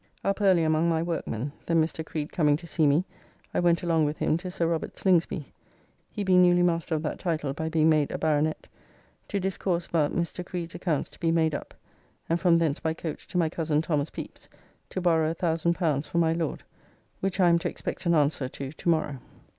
Up early among my workmen, then Mr. Creed coming to see me I went along with him to Sir Robert Slingsby (he being newly maister of that title by being made a Baronett) to discourse about Mr. Creed's accounts to be made up, and from thence by coach to my cozen Thomas Pepys, to borrow L1000 for my Lord, which I am to expect an answer to tomorrow.